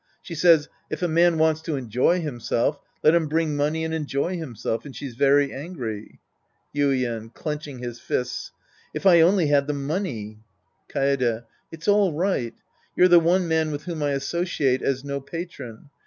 She says, " If a man wants to enjoy himself, let him bring money and enjoy himself," and she's veiy angry. Yuien {clenching his fists). If I only had the money ! Kaede. It's all right. You're the one man with whom I associate as no patron.